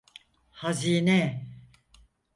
Hazine!